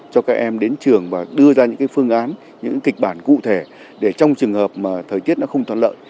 cho các em đến trường và đưa ra những phương án những kịch bản cụ thể để trong trường hợp mà thời tiết nó không thuận lợi